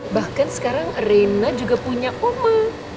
bahkan sekarang rena juga punya oma